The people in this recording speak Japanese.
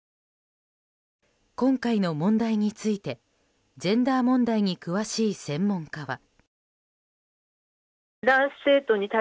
今回の問題についてジェンダー問題に詳しい専門家は。